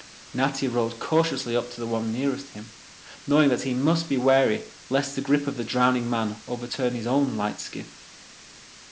Natty rowed cautiously up to the one nearest him, knowing that he must be wary lest the grip of the drowning man overturn his own light skiff.